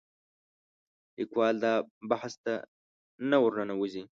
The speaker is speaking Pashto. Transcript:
لیکوال دا بحث ته نه ورننوځي